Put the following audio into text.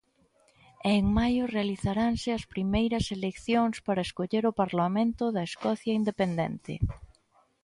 E en maio realizaranse as primeiras eleccións para escoller o parlamento da Escocia independente.